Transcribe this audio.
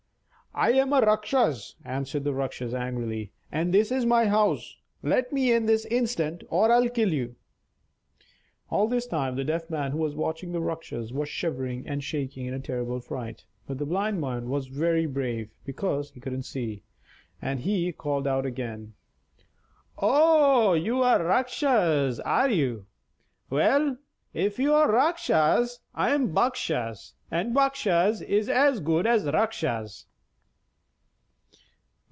"I'm a Rakshas," answered the Rakshas angrily, "and this is my house. Let me in this instant or I'll kill you." All this time the Deaf Man, who was watching the Rakshas, was shivering and shaking in a terrible fright, but the Blind Man was very brave (because he couldn't see), and he called out again: "Oh, you're a Rakshas, are you? Well, if you're Rakshas, I'm Bakshas; and Bakshas is as good as Rakshas."